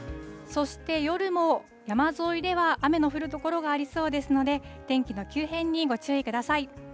そして、夜も山沿いでは雨の降る所がありそうですので、天気の急変にご注意ください。